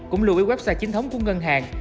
cũng lưu ý website chính thống của ngân hàng